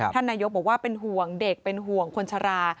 ท่านนายกบอกว่าเป็นห่วงเด็กเป็นห่วงคนชะลา